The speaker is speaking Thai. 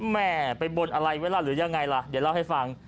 แม่ไปบนอะไรไว้ล่ะหรือยังไงล่ะเดี๋ยวเล่าให้ฟัง